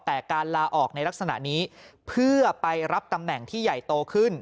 แต่การลาออกในลักษณะนี้เพื่อไปรับตำแหน่งที่ใหญ่โตขึ้น